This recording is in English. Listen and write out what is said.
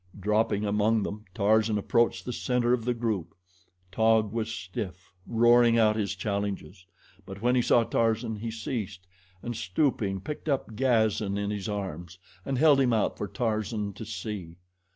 Dropping among them, Tarzan approached the center of the group. Taug was still roaring out his challenges; but when he saw Tarzan he ceased and stooping picked up Gazan in his arms and held him out for Tarzan to see.